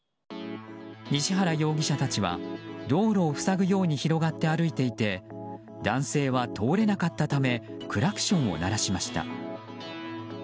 西原容疑者たちは道路を塞ぐように広がって歩いていて男性は通れなかったためクラクションを鳴らしました。